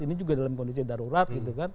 ini juga dalam kondisi darurat